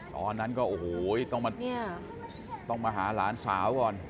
ตอนนั้นก็โอ้โหต้องมาหาหลานสาวก่อน